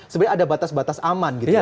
sebenarnya ada batas batas aman gitu ya